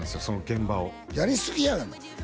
その現場をやりすぎやがな！